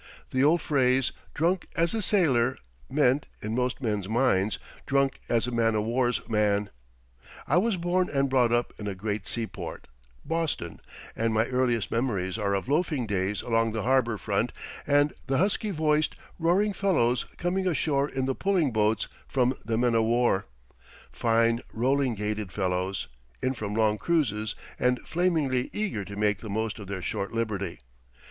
The old phrase, "Drunk as a sailor," meant, in most men's minds, drunk as a man o' war's man. I was born and brought up in a great seaport Boston and my earliest memories are of loafing days along the harbor front and the husky voiced, roaring fellows coming ashore in the pulling boats from the men o' war; fine, rolling gaited fellows, in from long cruises and flamingly eager to make the most of their short liberty.